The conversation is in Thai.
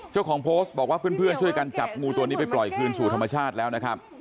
เจ้าของโพสต์บอกว่าเพื่อนช่วยกันจับงูตัวนี้ไปปล่อยคืนสู่ธรรมชาติแล้วนะครับ